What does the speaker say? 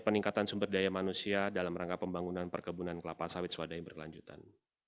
peningkatan sumber daya manusia dalam rangka pembangunan perkebunan kelapa sawit swadaya berkelanjutan